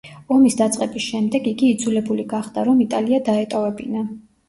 ომის დაწყების შემდეგ, იგი იძულებული გახდა, რომ იტალია დაეტოვებინა.